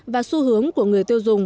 và xu hướng của người tiêu dùng